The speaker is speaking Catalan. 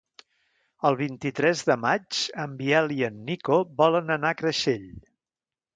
El vint-i-tres de maig en Biel i en Nico volen anar a Creixell.